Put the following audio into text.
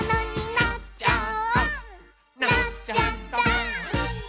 「なっちゃった！」